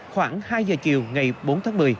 khoảng hai giờ chiều ngày bốn tháng một mươi